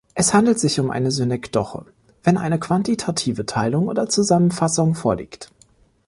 Es handelt sich um eine Synekdoche, wenn eine quantitative Teilung oder Zusammenfassung vorliegt.